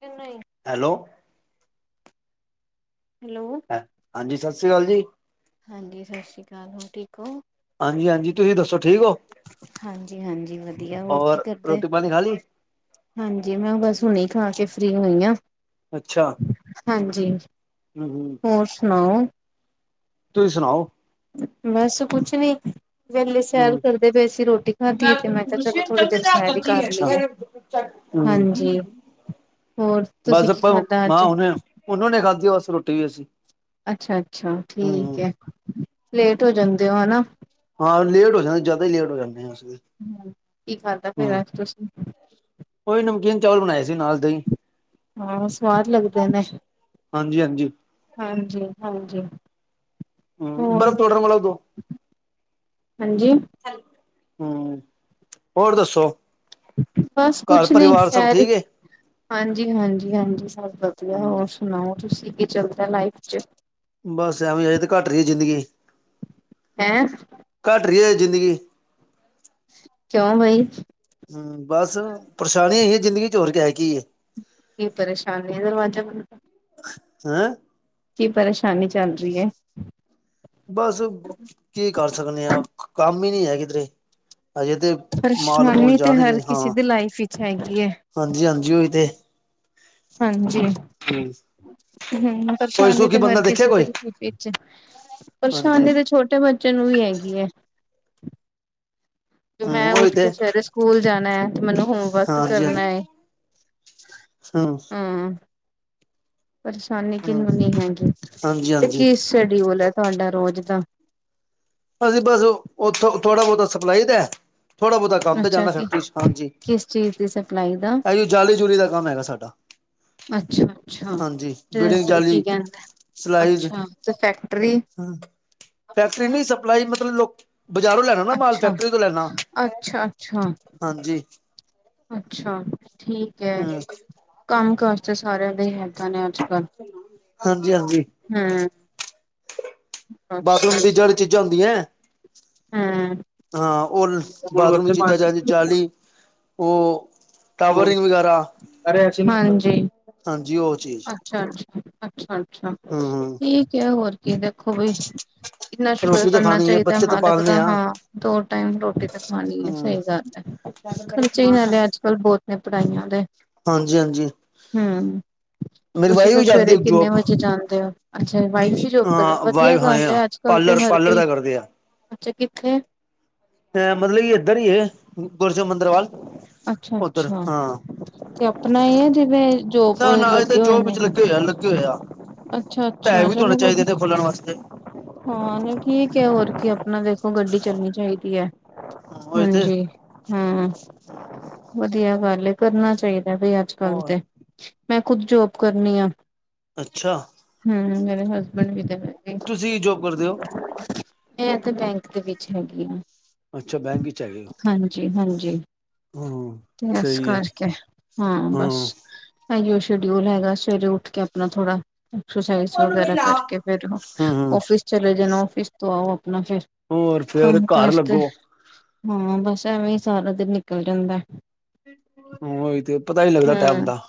ਕਿ ਨਹੀਂ hello hello ਹਾਂਜੀ ਸਸ ਸ੍ਰੀ ਕਾਲ ਜੀ। ਹਾਂਜੀ ਸਸ ਸ੍ਰੀ ਕਾਲ ਹੋਰ ਠੀਕ ਹੋ? ਹਾਂਜੀ-ਹਾਂਜੀ ਤੁਸੀਂ ਦੱਸੋ ਠੀਕ ਹੋ। ਹਾਂਜੀ-ਹਾਂਜੀ ਵਧੀਆ ਹੋਰ ਕੀ ਔਰ ਕਰਦੇ। ਰੋਟੀ ਪਾਣੀ ਖਾ ਲਈ ਹਾਂਜੀ ਮੈਂ ਬਸ ਹੁਣੇ ਖਾ ਕੇ ਫ੍ਰਰੀ ਹੋਈ ਆ। ਅੱਛਾ ਹਾਂਜੀ ਹਮ ਹਮ ਹੋਰ ਸੁਣਾਓ। ਤੁਸੀਂ ਸੁਣਾਓ। ਬਸ ਕੁੱਛ ਨੀ। ਵੇਲੇ ਸੈਰ ਹਮ ਕਰਦੇ ਪਏ ਸੀ ਰੋਟੀ ਖਾਧੀ ਹੈ ਤੇ ਮੈਂ ਕਯਾ ਚਲੋ ਥੋੜੀ ਦੇਰ ਸੈਰ ਹੀ ਕਰ ਲਈਏ। ਹੂੰ ਹਾਂਜੀ ਹੋਰ ਤੁਸੀਂ ਕੀ ਖਾਧਾ ਹਾਂ ਅੱਜ ਹੁਣੇ ਹੁਣੇ ਖਾਧੀ ਬਸ ਰੋਟੀ ਵੀ ਅਸੀਂ ਅੱਛਾ-ਅੱਛਾ, ਠੀਕ ਹਮ ਹੈ, ਲੇਟ ਹੋ ਜਾਂਦੇ ਹੋ ਹੈਨਾ? ਹਾਂ, ਲੇਟ ਹੋ ਜਾਂਦੇ ਜ਼ਿਆਦਾ ਹੀ ਲੇਟ ਹੋ ਜਾਂਦੇ ਹ ਕੀ ਖਾਦਾ ਫੇਰ ਅੱਜ ਤੁਸੀ ਉਈ ਨਮਕੀਨ ਚੌਲ ਬਣਾਏ ਸੀ ਨਾਲ ਦਹੀ ਹਾਂ ਸਵਾਦ ਲੱਗਦੇ ਨੇ। ਹਾਂਜੀ ਹਾਂਜੀ ਹਾਂਜੀ-ਹਾਂਜੀ, ਹਮ ਹੋਰ ਬਰਫ਼ ਪਾਊਡਰ ਵਾਲਾ ਦੋ ਹਾਂਜੀ। ਹੈ, ਹੂੰ, ਹੋਰ ਦੱਸੋ ਬਸ ਕੁਛ ਘਰ ਨੀ ਪਰਿਵਾਰ ਸਭ ਸੈਰ ਈ ਠੀਕ ਹੈ ਹਾਂਜੀ-ਹਾਂਜੀ-ਹਾਂਜੀ ਸਭ ਵਧੀਆ ਹਮ ਹੋਰ ਸੁਣਾਓ ਤੁਸੀਂ ਕੀ ਚੱਲਦਾ ਲਾਈਫ ਚ ਬਸ ਐਵੇਂ ਅਜੇ ਤਾਂ ਘੱਟ ਰਹੀ ਹੈ ਜ਼ਿੰਦਗੀ ਹੈਂ ਘੱਟ ਰਹੀ ਹੈ ਜ਼ਿੰਦਗੀ ਕਿਉਂ ਬਾਈ ਹੂੰ, ਬਸ ਪਰੇਸ਼ਾਨੀ ਹੈਗੀ ਹੈ ਜ਼ਿੰਦਗੀ ਚ ਹੋਰ ਕੇ ਹੈ ਕੀ ਹੈ ਕੀ ਪਰੇਸ਼ਾਨੀ ਏ ਦਰਵਾਜ਼ਾ ਖੁਲੈ ਹੈ ਕੀ ਪਰੇਸ਼ਾਨੀ ਚੱਲ ਰਹੀ ਹੈ? ਬਸ ਕੀ ਕਰ ਸਕਦੇ ਹਾਂ ਕੰਮ ਹੀ ਨਹੀਂ ਹੈ ਕਿਧਰੇ, ਹਜੇ ਤੇ ਮਾਲ ਮੂਲ ਪਰੇਸ਼ਾਨੀ ਤੇ ਹਰ ਕਿਸੇ ਦੀ ਲਾਈਫ ਵਿੱਚ ਹੈਗੀ ਹੈ ਹਾਂਜੀ-ਹਾਂਜੀ ਉਹੀ ਤੇ ਹਾਂਜੀ। ਹਮ ਹੂੰ, ਕੋਈ ਪਰੇਸ਼ਾਨੀ ਸੁਖੀ ਤੇ ਹਰ ਬੰਦਾ ਦੇਖਿਆ ਕਿਸੇ ਦੇ ਕੋਈ ਲਾਈਫ ਵਿੱਚ ਹਾਂਜੀ ਪਰੇਸ਼ਾਨੀ ਤੇ ਛੋਟੇ ਬੱਚੇ ਚੇ ਨੂ ਵੀ ਹੈਗੀ ਹੈ ਹਮ ਮੈਂ ਉਹੀ ਉੱਠ ਤੇ ਕੇ ਸਵੇਰੇ ਸਕੂਲ ਜਾਣਾ ਹੈ ਤੇ ਮੈਨੂੰ ਹੋਮਵਰਕ ਕਰਨਾ ਹੈ। ਹੂੰ। ਹਾਂ ਪਰੇਸ਼ਾਨੀ ਹਮ ਕਿਹਨੂੰ ਨੀ ਹੈਗੀ ਹਾਂਜੀ ਤੇ ਹਾਂਜੀ ਕੀ ਸ਼ੈਡਿਊਲ ਹੈ ਤੁਹਾਡਾ ਰੋਜ਼ ਦਾ ਅਸੀਂ ਬਸ ਉੱਥੋਂ ਥੋੜਾ ਬਹੁਤ ਸਪਲਾਈ ਦਾ ਥੋੜ੍ਹਾ ਬਹੁਤਾ ਕੰਮ ਤੇ ਅੱਛਾ ਜਾਂਦਾ ਫੈਕਟਰੀ ਚ ਹਾਂਜੀ, ਕਿਸ ਚੀਜ਼ ਦੀ ਸਪਲਾਈ ਦਾ ਇਹ ਜੀ ਜਾਲੀ ਜੂਲੀ ਦਾ ਕੰਮ ਹੈਗਾ ਸਾਡਾ। ਅੱਛਾ-ਅੱਛਾ, ਹਾਂਜੀ ਤੇ ਬਿਲਡਿੰਗ ਕੀ ਜਾਲੀ ਕਹਿੰਦੇ ਅੱਛਾ ਸਲਾਈਜ਼ ਤੇ ਫੈਕਟਰੀ, ਫੈਕਟਰੀ ਨਹੀਂ ਸਪਲਾਈ ਮਤਲਬ ਲੋਕੀ ਬਾਜ਼ਾਰੋਂ ਲੈਣਾ ਨਾ ਮਾਲ ਅੱਛਾ, ਫੈਕਟਰੀ ਤੋਂ ਲੈਣਾ, ਅੱਛਾ-ਅੱਛਾ, ਹਾਂਜੀ। ਅੱਛਾ ਠੀਕ ਹੈ, ਹੂੰ ਕੰਮ ਕਾਰ। ਨਹੀਂ ਸਾਰਿਆਂ ਦੇ ਹੀ ਹੱਥ ਨੇ, ਅੱਜ ਕੱਲ ਹਾਂਜੀ ਹਾਂਜੀ ਹੂੰ। ਬਸ ਬਾਥਰੂਮ ਦੀਆਂ, ਜਿਹੜੀ ਚੀਜ਼ਾਂ ਹੁੰਦੀਆਂ ਹੈ। ਹਾਂ। ਹਾਂ, ਔਰ ਬਾਥਰੂਮ ਦੀਆਂ ਚੀਜ਼ਾਂ ਜਾਂ ਚ ਜਾਲੀ ਉਹ ਟਾਵਰਿੰਗ ਵਗੈਰਾ ਕਰਿਆ ਸੀ, ਹਾਂਜੀ। ਹਾਂਜੀ ਉਹ ਚੀਜ਼ ਅੱਛਾ, ਅੱਛਾ, ਅੱਛਾ, ਅੱਛਾ, ਹੂੰ ਹੂੰ ਠੀਕ ਹੈ ਹੋਰ। ਕੀ ਦੇਖੋ ਵੀ, ਕਿੰਨਾ ਸ਼ੁਕਰ ਰੋਟੀ ਤਾਂ ਕਰਨਾ ਖਾਣੀ ਹੈ ਚਾਹੀਦਾ ਬੱਚੇ ਤਾਂ ਮਾਲਕ ਪਾਲਣੇ ਦਾ ਆ ਹਾਂ ਦੋ ਟਾਈਮ ਰੋਟੀ ਤਾਂ ਖਾਣੀ ਹੈ ਸਹੀ ਹੂੰ ਗੱਲ ਹੈ, ਖਰਚੇ ਹੀ ਨਾਲੇ ਅੱਜ ਲ ਬਹੁਤ ਨੇ ਪੜ੍ਹਾਈਆਂ ਦੇ, ਹਾਂਜੀ ਹਾਂਜੀ ਹੂੰ। ਮੇਰੀ ਤੁਸੀਂ ਵਾਈਫ ਫਿਰ ਵੀ ਜਾਂਦੀ ਸਵੇਰੇ ਕਿੰਨੇ ਜੋਬ ਵਜੇ ਜਾਂਦੇ ਹੋ? ਅੱਛਾ, ਵਾਈਫ ਵੀ ਜੋਬ ਕਰ ਹਾਂ ਵਧੀਆ ਵਾਈਫ ਹਾਂ ਗੱਲ ਆ ਹੈ, ਅੱਜ ਕੱਲ ਤੇ ਪਾਰਲਰ ਹਰ ਪਾਰਲਰ ਕੋਈ, ਦਾ ਕਰਦੇ ਆ ਅੱਛਾ ਕਿੱਥੇ? ਅ, ਮਤਲਬ ਕਿ ਇੱਧਰ ਹੀ ਹੈ। ਗੁਰਜ ਮੰਦਿਰ ਵਲ। ਅੱਛਾ -ਅੱਛਾ ਤੇ ਆਪਣਾ ਹੀ ਹੈ, ਜਿਵੇਂ ਜੋਬ ਨਾ ਨਾ ਇਹ ਤਾਂ ਲੱਗੇ ਹੋਏ ਜੋਬ ਨੇ? ਵਿੱਚ ਆ ਲੱਗੇ ਲੱਗੇ ਹੋਇਆ, [unintelligible] ਅੱਛਾ ਇੱਥੇ ਅੱਛਾ ਹੋੋਣੇ ਚਲੋ ਚਾਹੀਦੇ ਵਧ ਇਹਦੇ ਖੁੱਲਣ ਵਾਸਤੇ। ਹਾਂ, ਨਹੀਂ ਠੀਕ ਹੈ, ਹੋਰ ਕੀ ਆਪਣਾ ਦੇਖੋ ਗੱਡੀ ਚੱਲਣੀ ਚਾਹੀਦੀ ਹੈ, ਉਹੀ ਤੇ ਹਾਂਜੀ। ਹਮ, ਵਧੀਆ ਗੱਲ ਹੈ, ਕਰਨਾ ਚਾਹੀਦਾ ਬਈ ਅੱਜਕੱਲ ਹੋਰ ਤੇ। ਮੈਂ ਖੁਦ ਜੋਬ ਕਰਨੀ ਆ, ਅੱਛਾ ਹੂੰ ਮੇਰੇ ਹਸਬੈਂਡ ਵੀ ਤੇ ਮੈਂ ਵੀ। ਤੁਸੀਂ, ਕੀ ਜੋਬ ਕਰਦੇ ਹੋ? ਮੈਂ ਤੇ, ਬੈਂਕ ਦੇ ਵਿੱਚ ਹੈਗੀ ਆ। ਅੱਛਾ, ਬੈਂਕ ਵਿੱਚ ਹੈਗੇ ਹੋ। ਜੀ ਹਾਂਜੀ, ਹੂੰ ਤੇ ਇਸ ਸਹੀ ਹੈ ਕਰਕੇ ਹਾਂ, ਬਸ। ਹੂੰ ਆਹੀ, ਸ਼ਡਿਊਲ ਹੈਗਾ, ਸਵੇਰੇ ਉੱਠ ਕੇ ਆਪਣਾ ਥੋੜਾ। ਐਕਸਰਸਾਈਜ਼, ਵਗੈਰਾ ਕਰਕੇ ਫੇਰ ਹੂੰ ਔਫਿਸ ਚਲੇ ਜਾਣਾ ਔਫਿਸ ਤੋਂ ਆਓ ਆਪਣਾ ਫੇਰ। ਹੋਰ ਫੇਰ ਕੰਮ ਘਰ ਕਾਜ ਤੇ ਲੱਗੋ ਹਾਂ, ਬਸ ਐਵੇਂ ਹੀ ਸਾਰਾ ਦਿਨ ਨਿਕਲ ਜਾਂਦਾ ਹੈ। ਹਾਂ, ਉਹੀ ਤੇ ਪਤਾ ਨਹੀਂ ਲੱਗਦਾ ਟਾਈਮ ਹਮ ਦਾ।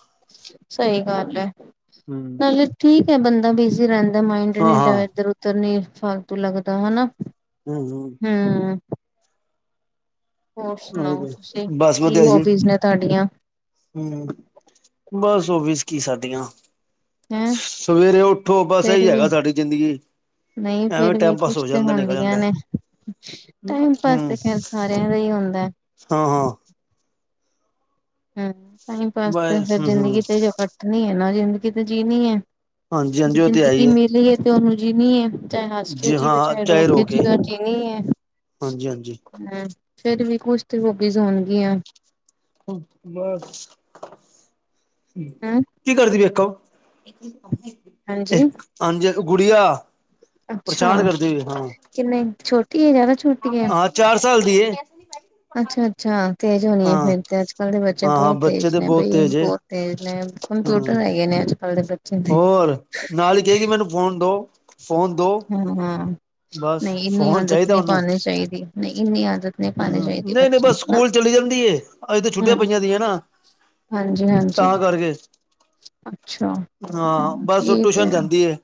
ਸਹੀ ਗੱਲ ਹੈ। ਹੂੰ। ਨਾਲੇ ਠੀਕ ਹੈ, ਬੰਦਾ ਬਿਜੀ ਰਹਿੰਦਾ, ਮਾਇੰਡ ਹਾਂ ਨੀ ਹਾਂ ਇਧਰ- ਉਧਰ ਨੀ ਫਾਲਤੂ ਲੱਗਦਾ, ਹਨਾ। ਹਮ-ਹਮ। ਹਮ ਹੋਰ ਉਹੀ ਸੁਣਾਓ ਤੇ ਤੁਸੀਂ, ਬਸ ਕੀ ਵਧੀਆ ਜੀ ਹੋਬੀਜ਼ ਨੇ ਤੁਹਾਡੀਆਂ? ਹੂੰ, ਬਸ ਹੋਬੀਜ਼ ਕੀ ਸਾਡੀਆਂ। ਹੈਂ ਸਵੇਰੇ ਉੱਠੋ, ਬਸ ਫੇਰ ਇਹੀ ਵੀ ਹੈਗਾ ਸਾਡੀ ਜ਼ਿੰਦਗੀ। ਨਹੀਂ, ਐਵੇਂ ਫੇਰ ਵੀ ਟਾਈਮ ਪਾਸ ਕੁਛ ਹੋ ਤੇ ਜਾਂਦਾ ਨਿਕਲ ਹੁੰਦੀਆਂ ਜਾਂਦਾ ਨੇ। ਟਾਈਮ ਪਾਸ, ਹੂੰ ਤੇ ਖੈਰ ਸਾਰਿਆਂ ਦਾ ਹੀ ਹੁੰਦਾ ਹੈ। ਹਾਂ -ਹਾਂ। ਹੂੰ, ਟਾਈਮ ਪਾਸ ਤੇ ਬਸ ਫਿਰ ਹੂੰ ਹੂੰ ਜ਼ਿੰਦਗੀ ਤੇ ਕੱਟਣੀ ਹੈ ਨਾ, ਜ਼ਿੰਦਗੀ ਤੇ ਜੀਣੀ ਹੈ। ਹਾਂਜੀ ਜੇ ਹਾਂਜੀ ਉਹ ਤੇ ਹੈ ਹੀ ਜ਼ਿੰਦਗੀ ਮਿਲੀ ਹੈ, ਤੇ ਉਹਨੂੰ ਜੀਣੀ ਏ। ਚਾਹੇ ਹੱਸ ਕੇ ਜੀ ਜੀਵੇ, ਹਾਂ ਚਾਹੇ ਰੋਕ ਕੇ ਰੋ ਜੀਵੇ ਜੀਣੀ ਹੈ, ਹਾਂਜੀ ਹਾਂਜੀ ਹੂੰ। ਫੇਰ ਵੀ, ਕੁਛ ਤੇ ਹੋਬੀਜ਼ ਹੋਣਗੀਆਂ। ਬਸ। ਹਮਮ ਕੀ ਕਰਦੀ ਵੇਖੋ, ਹਾਂਜੀ ਹਾਂਜੀ, ਗੁੜੀਆ। ਪਰੇਸ਼ਾਨ ਅੱਛਾ, ਕਰਦੀ ਹੋਈ ਹਾਂ ਕਿੰਨੇ ਛੋਟੀ ਏ ਜਿਆਦਾ। ਹਾਂ, ਚਾਰ ਸਾਲ ਦੀ ਏ। ਅੱਛਾ-ਅੱਛਾ ਤੇਜ਼ ਹੋਣੀ ਏ ਹਾਂ ਫੇਰ ਤੇ, ਅੱਜ ਕੱਲ ਦੇ ਬੱਚੇ ਹਾਂ ਹਾਂ ਬਹੁਤ ਬੱਚੇ ਤੇਜ਼ ਤੇ ਨੇ, ਬਹੁਤ ਬਈ ਤੇਜ਼ ਏ ਬਹੁਤ ਤੇਜ ਨੇ। ਹੁਣ ਹਾਂ ਟਿਊਟਰ ਹੈਗੇ ਨੇ, ਅੱਜ ਕਲ ਦੇ ਬੱਚੇ ਦੇ ਹੋਰ ਨਾਲ ਹੀ ਕਹੇਗੀ ਮੈਨੂੰ ਫੋਨ ਦੋ ਫੋਨ ਦੋ। ਹੂੰ। ਬਸ ਨਹੀਂ ਇੰਨੀ ਫੋਨ ਆਦਤ ਚਾਹੀਦਾ ਨਹੀਂ ਉਹਨੂੰ ਪਾਣੀ ਚਾਹੀਦੀ। ਨਹੀਂ ਇੰਨੀ ਆਦਤ ਨਹੀਂ ਪਾਣੀ ਹਮ ਚਾਹੀਦੀ ਨਹੀਂ ਨਹੀਂ ਬੱਚੇ ਬਸ ਨੂੰ। ਨਾ ਸਕੂਲ ਚਲੀ ਜਾਂਦੀ ਏ। ਅਜ ਤਾਂ ਛੁੱਟੀਆਂ ਪਈਆਂ ਦੀਦੀਆਂ ਨਾ। ਹਾਂਜੀ, ਹਾਂਜੀ। ਤਾਂ ਕਰਕੇ ਹਾਂ, ਬਸ ਉਹ ਠੀਕ ਟਿਊਸ਼ਨ ਐ। ਜਾਂਦੀ ਏ।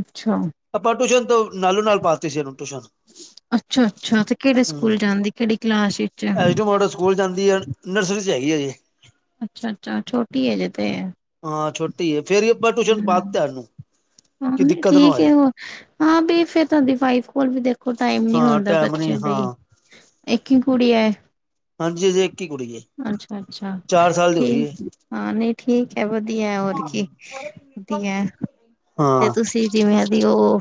ਅੱਛਾ। ਆਪਾਂ ਟਊਸ਼ਨ ਤੋਂ, ਨਾਲੌ- ਨਾਲ ਪਾਤੀ ਸੀ ਇਹਨੂੰ, ਟਿਊਸ਼ਨ। ਅੱਛਾ-ਅੱਛਾ ਤੇ ਕਿਹੜੇ ਹਮ ਸਕੂਲ ਜਾਂਦੀ, ਕਿਹੜੀ ਕਲਾਸ ਚ ਐ। ਐਸ ਡੀ ਮੋਡਲ ਸਕੂਲ ਜਾਂਦੀ ਆ, ਨਰਸਰੀ 'ਚ ਹੈਗੀ ਆ ਹਜੇ। ਅੱਛਾ- ਅੱਛਾ, ਛੋਟੀ ਹੈ ਹਜੇ ਤੇ। ਹਾਂ ਛੋਟੀ ਹੈ, ਫੇਰ ਹੀ ਆਪਾਂ ਟਿਊਸ਼ਨ ਪਾ ਹੂੰ, ਦਿੱਤਾ ਉਹਨੂੰ। ਹਾਂ ਨਹੀਂ, ਠੀਕ ਹੈ ਹੁਣ। ਹਾਂ ਬਈ, ਫੇਰ ਤੁਹਾਡੀ ਵਾਈਫ ਕੋਲ ਵੀ ਦੇਖੋ ਟਾਈਮ ਨੀ ਹਾਂ ਹੁੰਦਾ, ਟਾਈਮ ਨੀ ਬੱਚੇ ਹਾਂ ਲਈ। ਇੱਕ ਹੀ ਕੁੜੀ ਹੈ? ਹਾਂਜੀ, ਜੀ। ਅੱਛਾ, ਅੱਛਾ। ਦੀ ਹੋ ਗਈ ਠੀਕ ਹੈ ਹਾਂ, ਨਹੀਂ। ਠੀਕ ਹੈ। ਵਧੀਆ ਹੋਰ ਕੀ ਵਧੀਆ। ਤੇ ਹਾਂ ਤੁਸੀਂ ਜਿਵੇਂ ਦੀ ਉਹ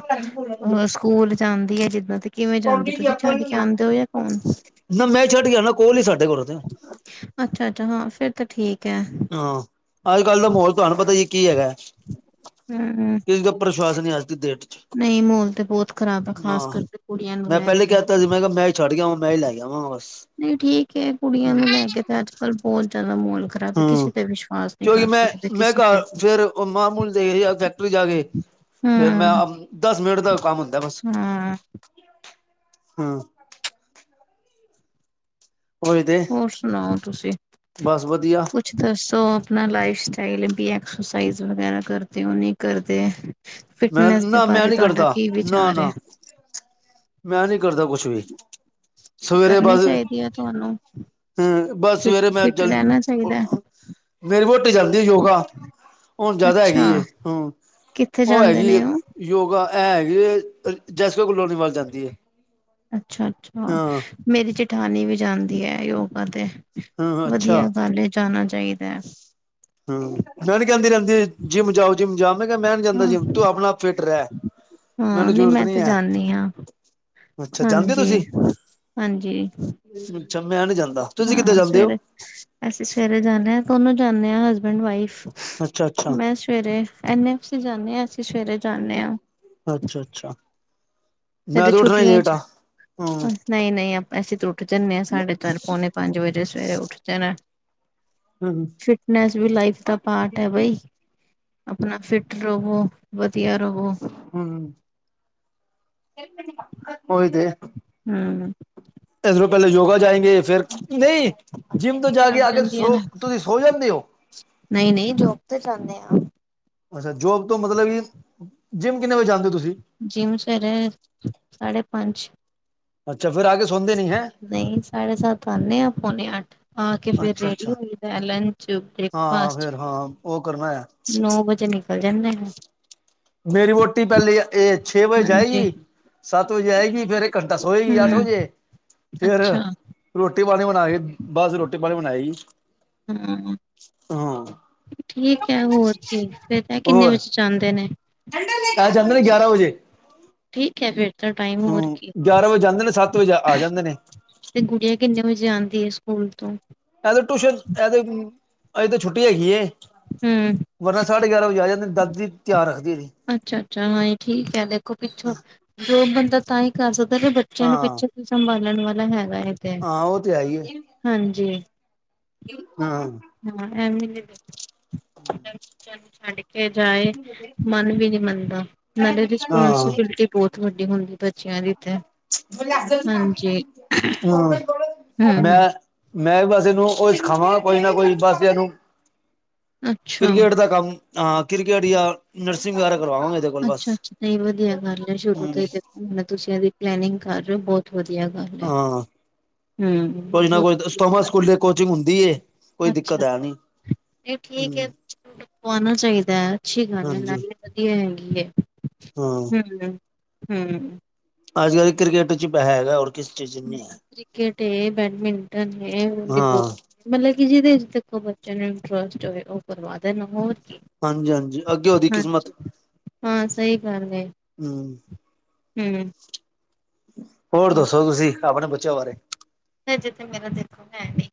ਸਕੂਲ ਜਾਂਦੀ ਐ ਜਿੱਦੋਂ ਦੀ ਕਿਵੇਂ ਜਾਂਦੇ ਤੁਸੀਂ ਛੱਡ ਕੇ ਆਉਂਦੇ ਹੋ ਜਾਂ ਕੌਣ? ਨਾ ਮੈਂ ਛੱਡ ਕੇ ਨਾ ਕੋਲ ਨੀ ਸਾਡੇ ਕੋਲੋਂ ਤੇ। ਅੱਛਾ, ਅੱਛਾ ਹਾਂ ਫੇਰ ਤਾਂ ਠੀਕ। ਐ ਹਾਂ, ਅੱਜ ਕੱਲ ਦਾ ਮਹੋਲ ਤੁਹਾਨੂੰ ਪਤਾ ਜੀ ਕੀ ਹੈਗਾ। ਹੂੰ ਕਿਸੇ ਦਾ ਪ੍ਰਸ਼ਵਾਸ ਨਹੀਂ ਅੱਜ ਦੀ ਡੇਟ। ਚ ਨਹੀਂ, ਮਾਹੋਲ ਤੇ ਬਹੁਤ ਖ਼ਰਾਬ ਆ ਖਾਸ ਹਾਂ ਕਰਕੇ ਕੁੜੀਆਂ ਨੂੰ ਮੈਂ ਲੈ ਪਹਿਲੇ ਕੇ। ਕਹਿ ਦਿੱਤਾ ਸੀ ਮੈਂ ਮੈਂ ਛੱਡ ਕੇ ਆਵਾਂ। ਮੈਂ ਹੀ ਲੈ ਜਾਵਾਂ ਬਸ। ਨਹੀਂ ਠੀਕ ਏ ਕੁੜੀਆਂ ਨੂੰ ਲੈ ਕੇ ਤੇ ਅੱਜ ਕੱਲ੍ਹ ਬਹੁਤ ਜਿਆਦਾ ਮਹੋਲ ਹੂੰ। ਕਿਉਂਕਿ ਮੈਂ ਮੈਂ ਕਿਸੇ ਤੇ ਘਰ ਫਿਰ ਮਾਮੂਲੀ ਦੇ ਫੈਕਟਰੀ ਜਾ ਕੇ। ਫੇਰ ਮੈਂ ਹਮ ਦਸ ਮਿੰਟ ਦਾ ਕੰਮ ਹੁੰਦਾ। ਬਸ। ਹਾਂ ਹੂੰ। ਉਹੀ ਤੇ ਹੋਰ ਸੁਣਾਓ ਤੁਸੀਂ? ਬਸ ਵਧੀਆ ਦੱਸੋ ਆਪਣਾ ਲਾਈਫ ਸਟਾਈਲ ਵੀ ਐਕਸਰਸਾਈਜ਼ ਵਗੈਰਾ ਕਰਦੇ ਉਹ ਨਹੀਂ ਕਰਦੇ। ਮੈਂ ਫਿਟਨੈਸ ਦੇ ਨਾ ਮੈਂ ਬਾਰੇ ਨੀ ਤੁਹਾਡਾ ਕਰਦਾ ਕੀ ਨਾ ਵਿਚਾਰ ਐ। ਨਾ ਮੈਂ ਨਹੀਂ ਕਰਦਾ ਕੁਛ ਵੀ। ਸਵੇਰੇ ਬਸ, ਕਰਨੀ ਚਾਹੀਦੀ ਹੈ ਤੁਹਾਨੂੰ ਹੂੰ ਬਸ ਸਵੇਰੇ ਫਿਟ ਮੈਂ ਫਿਟ ਜਲ ਰਹਿਣਾ ਚਾਹੀਦਾ ਮੇਰੀ ਵੋਟੀ ਜਾਂਦੀ ਆ ਯੋਗਾ। ਹੁਣ ਜ਼ਿਆਦਾ ਅੱਛਾ ਹੈਗੀ। ਹੂੰ ਕਿੱਥੇ ਉਹ ਜਾਂਦੇ ਹੈਗੀ ਨੇ ਉਹ ਯੋਗਾ ਇਹਗੀ ਜੈਸਕ ਗਲੋਨੀ ਵੱਲ ਜਾਂਦੀ ਐ। ਅੱਛਾ, ਅੱਛਾ ਮੇਰੀ ਜੇਠਾਨੀ ਵੀ ਜਾਂਦੀ ਹੈ ਯੋਗਾ ਤੇ। ਹਾਂ ਅੱਛਾ ਵਧੀਆ ਗੱਲ ਐ ਜਾਣਾ ਚਾਹੀਦਾ ਹੈ। ਹੂੰ, ਮੈਂ ਨੀ ਕਹਿੰਦੀ ਰਹਿੰਦੀ ਜਿੰਮ ਜਾਓ ਜਿੰਮ ਜਾਓ। ਕਿਹਾ ਮੈਂ ਨ ਜਾਂਦਾ ਹਾਂ ਜਿੰਮ ਤੂੰ ਆਪਣਾ ਆਪ ਫਿੱਟ ਰਹਿ ਹਾਂ ਮੈਨੂੰ ਨਹੀਂ ਜ਼ਰੂਰਤ ਮੈਂ ਨੀ ਤੇ ਐ। ਜਾਂਦੀ ਹਾਂ ਅੱਛਾ ਜਾਂਦੇ ਹੋ ਹਾਂਜੀ ਤੁਸੀਂ। ਹਾਂਜੀ ਅੱਛਾ, ਮੈਂ ਨੀ ਜਾਂਦਾ ਤੁਸੀਂ ਕਿੱਦਾਂ ਹਾਂ ਜਾਂਦੇ ਹੋ? ਸਵੇਰੇ ਅਸੀਂ ਸਵੇਰੇ ਜਾਂਦੇ ਹਾਂ ਦੋਨੋ ਜਾਂਦੇ ਹਾਂ ਹਸਬੈਂਡ ਵਾਈਫ। ਅੱਛਾ ਅੱਛਾ ਮੈਂ ਸਵੇਰੇ ਐਨ ਐਫ ਸੀ ਜਾਂਨੇ ਹਾਂ ਅਸੀਂ ਸਵੇਰੇ ਜਾਂਨੇ ਹਾਂ। ਅੱਛਾ, ਅੱਛਾ ਮੈਂ ਕਦੇ ਤਾਂ ਉੱਠਣਾ ਹੀ ਛੁੱਟੀਆਂ ਲੇਟ ਚ ਆ। ਹੂੰ। ਨਹੀਂ ਨਹੀਂ ਅਸੀਂ ਤਾਂ ਉੱਠ ਜਾਂਦੇ ਹਾਂ ਸਾਡੇ ਚਰ ਪਉਣੇ ਪੰਜ ਵਜੇ ਸਵੇਰੇ ਉੱਠਦੇ ਆ ਹੂੰ ਫਿਟਨੈਸ ਵੀ ਲਾਈਫ ਦਾ ਪਾਰਟ ਹੈ ਬਾਈ ਆਪਣਾ ਫਿਟ ਰਵੋ ਵਧਆ ਰਵੋ ਹਮ ਹੋਈਦੇ ਹਮ ਇਸ ਨੂੰ ਪਹਿਲੇ ਯੋਗਾ ਜਾਏਗੇ ਫੇਿਰ ਨਹੀਂ ਜਿੰਮ ਤੋਂ ਜਾ ਕੇ ਲੱਗ ਆ ਕੇ ਜਾਂਦੀਆਂ ਸੋ ਨੇ ਤੁਸੀਂ ਸੋ ਜਾਂਦੇ ਹੋ ਨਹੀਂ -ਨਹੀਂ ਜੋਬ ਤੇ ਜਾਂਦੇ ਆ। ਅੱਛਾ ਜੋਬ ਤੋਂ ਮਤਲਬ ਵੀ ਜਿੰਮ ਕਿੰਨੇ ਵਜੇ ਜਾਂਦੇ ਹੋ ਤੁਸੀਂ ਜਿੰਮ ਸਵੇਰੇ ਸਾਢੇ ਪੰਜ ਅੱਛਾ ਫਿਰ ਆਗੇ ਸਕੂ ਨਹੀਂ ਸਾਢੇ ਸੱਤ ਆਉਨੇ ਪੌਣੇ ਅੱਠ ਆ ਕੇ ਫੇਰ ਅੱਛਾ ਰੇਡੀ ਅੱਛਾ ਹੁੰਦਿਆ ਲੰਚ ਹਾਂ ਬ੍ਰੇਕਫਾਸਟ ਫਿਰ ਹਾਂ ਉਹ ਕਰਨਾ ਹੈ। ਚੱਲ ਜਾਂਦੇ ਨੇ। ਮੇਰੀ ਵੋਟੀ ਪਹਿਲੇ ਇਹ ਛੇ ਵਜੇ ਹਾਂਜੀ ਜਾਏਗੀ। ਸੱਤ ਵਜੇ ਆਏਗੀ। ਫੇਰ ਘੰਟਾ ਸੋਏਗੀ ਅੱਠ ਹੂੰ ਵਜੇ। ਫਿਰ ਅੱਛਾ ਰੋਟੀ ਪਾਣੀ ਬਨਾ ਕੇ ਬਾਦ ਚ ਰੋਟੀ ਪਾਣੀ ਬਣਾਏਗੀ। ਹੂੰ। ਹਾਂ। ਠੀਕ ਹੈ ਹੋਰ ਕੀ ਫਿਰ ਤਾਂ ਕਿੰਨੇ ਵਜੇ ਜਾਂਦੇ ਨੇ। ਆ ਜਾਂਦੇ ਨੇ ਗਿਆਰਾਂ ਵਜੇ ਠੀਕ ਹੈ ਫੇਰ ਤਾਂ ਟਾਈਮ ਹੋਰ ਹੂੰ ਕੀ ਗਿਆਰਾਂ ਵਜੇ ਜਾਂਦੇ ਨੇ ਸੱਤ ਵਜੇ ਆ ਜਾਂਦੇ ਨੇ। ਤੇ ਗੁੜੀਆ ਕਿੰਨੇ ਵਜੇ ਆਉਂਦੀ ਹੈ ਸਕੂਲ ਤੋਂ ਇਹਦੇ ਟਿਊਸ਼ਨ ਇਹਦੇ ਅਜ ਤਾਂ ਛੁੱਟੀ ਹੈਗੀ। ਹੂੰ ਵਰਨਾ ਸਾਢੇ ਗਿਆਰਾਂ ਵਜੇ ਆ ਜਾਂਦੇ ਦਾਦੀ ਧਿਆਨ ਰੱਖਦੀ ਏਦੀ। ਅੱਛਾ -ਅੱਛਾ ਹਾਂ ਈ ਠੀਕ ਹੈ ਦੇਖੋ ਪਿੱਛੋਂ ਜੋਬ ਬੰਦਾ ਤਾਂ ਹੀ ਕਰ ਸਕਦਾ ਬੱਚਿਆਂ ਨੂੰ ਹਾਂ ਪਿੱਛੇ ਸੰਭਾਲਣ ਵਾਲਾ ਹੈਗਾ ਤੇ ਹਾਂ ਉਹ ਤੇ ਹੈ ਹੀ ਏ ਹਾਂਜੀ। ਹਾਂ [unintelligible] ਏ ਜਾਏ ਮਨ ਵੀ ਨਹੀਂ ਮੰਨਦਾ ਨਾਲੇ ਹਾਂ ਹੂੰ ਰਿਸਪੋਂਸੀਬਿਲਟੀ ਬਹੁਤ ਵੱਡੀ ਹੁੰਦੀ ਬੱ [unintelligible] ਹਮ ਮੈਂ ਮੈਂ ਬਸ ਇਹਨੂੰ ਉਹ ਸਿਖਾਵਾਂ ਕੋਈ ਨਾ ਕੋਈ ਬਸ ਇਹਨੂੰ ਅੱਛਾ ਕ੍ਰਿਕਟ ਦਾ ਕੰਮ ਹਾਂ ਕ੍ਰਿਕਟ ਜਾਂ ਨਰਸਿੰਗ ਵਗੈਰਾ ਕਰਵਾਵਾਂਗਾ ਇ ਅੱਛਾ-ਅੱਛਾ ਨਹੀਂ ਵਧੀਆ ਗੱਲ ਹੈ ਸ਼ੁਰੂ ਹੂੰ ਤੋਂ ਦੇਖੋ ਤੁਸੀਂ ਇਹਦੀ ਪਲੈਨਿੰਗ ਕਰ ਰਹੇ ਹੋ ਬਹੁਤ ਵਧੀਆ ਗੱਲ ਏ। ਹਾਂ ਕੁਝ ਨਾ ਕੁਝ ਵਧੀਆ ਥੋਮਸ ਸਕੂਲ ਕੋਚਿੰਗ ਹੁੰਦੀ ਹੈ ਕੋਈ ਗੱਲ ਦਿੱਕਤ ਅੱਛਾ ਹੈ ਨੀ ਇਹ ਠੀਕ ਹਮ ਹੈ ਉਣਾ ਚਾਹੀਦਾ ਹੈ ਅੱਛੀ ਗਲ ਏ ਹਾਂਜੀ ਨਾਲੇ ਵਧੀਆ ਹੈਗੀ ਏ। ਹਾਂ ਵਧੀਆ ਹੂੰ ਅੱਜ ਕੱਲ੍ਹ ਕ੍ਰਿਕਟ 'ਚ ਪੈਹ ਹੈਗਾ ਹੋਰ ਕਿਸ ਚੀਜ਼ ਚ ਹੈ ਨਹੀਂ ਕ੍ਰਿਕਟ ਹੈ ਬੈਡਮਿੰਟਨ ਹੈ ਵਾਲੀਬਲ ਹਾਂ ਮਤਲਬ ਕਿ ਜਿਹਦੇ ਅਜ ਤੱਕ ਬੱਚਿਆਂ ਨੂੰ ਇੰਟਰਸਟ ਹੋਵੇ ਉਹ ਕਰਵਾ ਦੇਣਾ ਹੋਰ ਕੀ ਹਾਂਜੀ ਹਾਂਜੀ ਅੱਗੇ ਉਹਦੀ ਕਿਸਮਤ ਹਾਂਜੀ ਹਾਂ ਸਹੀ ਗੱਲ ਏ। ਹਮ ਹੂੰ ਹੋਰ ਦੱਸੋ ਤੁਸੀਂ ਆਪਣੇ ਬੱਚਿਆਂ ਬਾਰੇ ਫ ਜਿੱਥੇ ਮੇਰਾ ਦੇਖੋ ਹੈ ਨਹੀਂ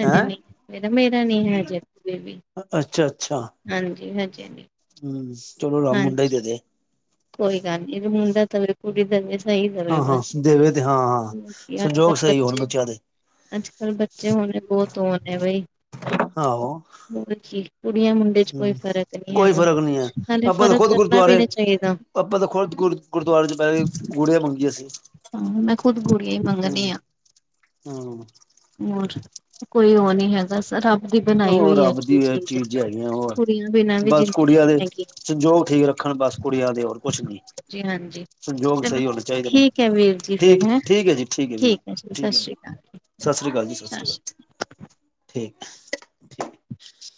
ਹਜੇ ਹੈਂ ਨਹੀਂ ਮੇਰਾ ਨੀ ਹੈ ਹਜੇ ਵੀ ਅੱਛਾ-ਅੱਛਾ ਹਾਂਜੀ-ਹਾਂਜੀ-ਹਾਂਜੀ ਹੂੰ ਚਲੋ ਰਬ ਮੁੰਡਾ ਈ ਦੇ ਦੇ। ਕੋਈ ਗੱਲ ਇਹ ਮੁੰਡਾ [unintelligible] ਕੁੜੀ ਦਵੇ ਸਹੀ ਦਵੇ ਹਾਂ ਹਾਂ ਬਸ ਦੇਵੇ ਤੇ ਹਾਂ ਹਾਂ ਅੱਜ ਸੰਜੋਗ ਕੱਲ੍ਹ ਸਹੀ ਹੋਣ ਬੱਚੇ ਬੱਚਿਆਂ ਦੇ ਅੱਜ ਕੱਲ੍ਹ ਬੱਚੇ ਹੋਣੇ ਬਹੁਤ ਓ ਣੇ ਬਈ ਆਓ- ਬਹੁਤ ਅੱਛੀ ਕੁੜੀਆਂ ਮੁੰਡੇ ਚ ਕੋਈ ਫਰਕ ਨਹੀਂ ਕੋਈ ਹੈਗਾ ਫ਼ਰਕ ਨਹੀਂ ਹੈ ਨਾਲੇ ਆਪਾਂ ਤਾਂ ਫ਼ਰਕ ਖੁਦ ਕਰਨਾ ਵੀ ਗੁਰਦੁਆਰੇ ਨਹੀਂ ਚਾਹੀਦਾ ਆਪਾਂ ਤਾਂ ਖੁਦ ਗੁਰ ਗੁਰਦੁਆਰੇ ਚ ਪੈ ਕੇ ਗੂੜੀਆਂ ਮੰਗੀਆਂ ਸੀ ਹਾਂ ਮੈਂ ਖੁਦ ਗੋੜੀਆਂ ਹੀ ਹਮ ਮੰਗਣੀ ਆ ਹਮ ਹੋਰ ਕੋਈ ਉਹ ਨਹੀਂ ਹੈਗਾ ਸਰ ਆਪ ਦੀ ਬਣਾਈ ਉਹ ਹੋਈ ਰੱਬ ਹੈਗੀ ਦੀ ਇਹ ਚੀਜ਼ ਹੈਗੀਆਂ ਹੋਰ ਕੁੜੀਆਂ ਬਿਨਾਂ ਵੀ ਬਸ ਜ਼ਿੰਦਗੀ ਕੁੜੀਆਂ ਨਹੀਂ ਦੇ ਹੈਗੀ। ਸੰਯੋਗ ਠੀਕ ਰੱਖਣ ਬਸ ਕੁੜੀਆਂ ਦੇ ਹੋਰ ਕੁਛ ਨਹੀਂ ਜੀ ਹਾਂਜੀ ਸੰਯੋਗ ਚਲੋ ਸਹੀ ਹੋਣੇ ਚਾਹੀਦੇ ਨੇ। ਠੀਕ ਹੈ ਵੀਰ ਜੀ ਫਿਰ ਹੈਂ ਠੀਕ-ਠੀਕ ਹੈ ਜੀ ਠੀਕ ਹੈ ਵੀ ਠੀਕ ਹੈ ਜੀ ਸਤਿ ਸ੍ਰੀ ਅਕਾਲ ਜੀ ਸਤਿ ਸ਼੍ਰੀ ਅਕਾਲ। ਠੀਕ [inaudible]